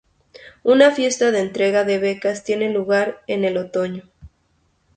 Una fiesta de entrega de becas tiene lugar en el otoño.